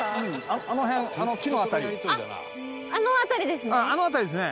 あの辺りですね。